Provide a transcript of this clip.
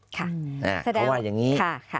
เพราะว่าอย่างนี้